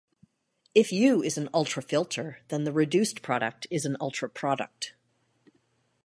If "U" is an ultrafilter, the reduced product is an ultraproduct.